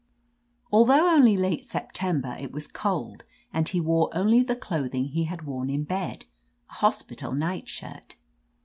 Although only late September, it was cold, and he wore only the clothing he had worn in bed, a hospital nightshirt.